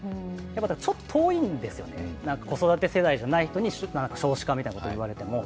ちょっと遠いんですよね、子育て世代じゃない人に少子化みたいなことを言われても。